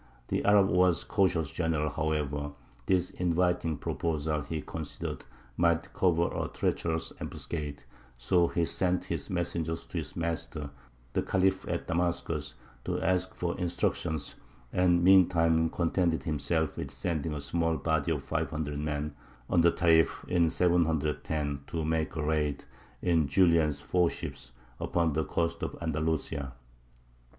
The Arab was a cautious general, however; this inviting proposal, he considered, might cover a treacherous ambuscade; so he sent messengers to his master the Khalif at Damascus, to ask for instructions, and meantime contented himself with sending a small body of five hundred men, under Tarīf, in 710, to make a raid, in Julian's four ships, upon the coast of Andalusia.